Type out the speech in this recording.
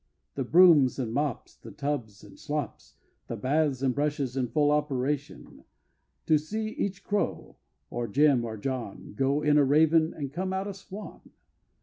The brooms and mops, The tubs and slops, The baths and brushes in full operation! To see each Crow, or Jim or John, Go in a raven and come out a swan!